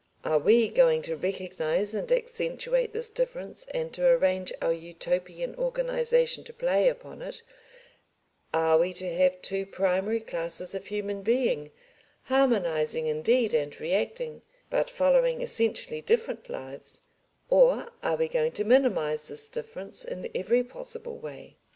Are we going to recognise and accentuate this difference and to arrange our Utopian organisation to play upon it, are we to have two primary classes of human being, harmonising indeed and reacting, but following essentially different lives, or are we going to minimise this difference in every possible way?